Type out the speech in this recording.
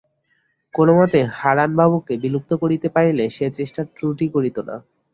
কোনোমতে হারানবাবুকে বিলুপ্ত করিতে পারিলে সে চেষ্টার ত্রুটি করিত না।